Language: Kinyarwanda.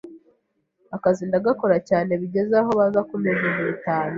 akazi ndagakora cyane bigeze aho baza kumpemba ibihumbi bitanu